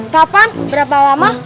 kapan berapa lama